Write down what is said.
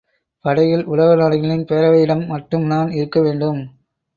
படைகள் உலக நாடுகளின் பேரவையிடம் மட்டும் தான் இருக்க வேண்டும்.